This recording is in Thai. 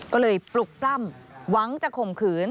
ก็เลยปลุกปล้ำหวังจะข่มขืน